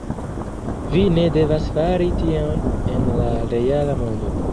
Vi ne devas fari tion en la reala mondo